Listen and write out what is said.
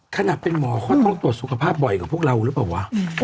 ขนาดเป็นหมอเขาต้องตรวจสุขภาพบ่อยกว่าพวกเราหรือเปล่าวะ